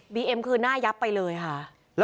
เอ็มคือหน้ายับไปเลยค่ะ